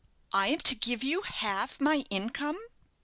"I am to give you half my income?"